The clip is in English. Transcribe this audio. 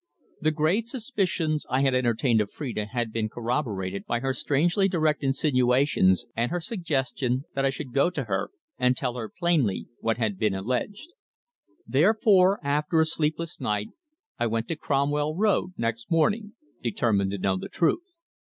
The grave suspicions I had entertained of Phrida had been corroborated by her strangely direct insinuations and her suggestion that I should go to her and tell her plainly what had been alleged. Therefore, after a sleepless night, I went to Cromwell Road next morning, determined to know the truth.